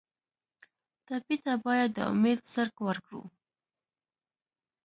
ټپي ته باید د امید څرک ورکړو.